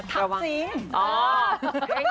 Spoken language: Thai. เท็มวุดปลิ่ง